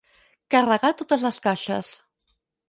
Carregar totes les caixes.